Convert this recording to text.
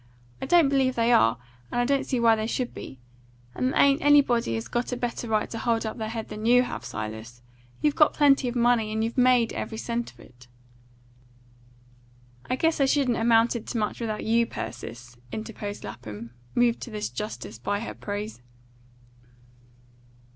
"I don't believe they are; and I don't see why they should be. And there ain't anybody has got a better right to hold up their head than you have, Silas. You've got plenty of money, and you've made every cent of it." "I guess I shouldn't amounted to much without you, Persis," interposed Lapham, moved to this justice by her praise.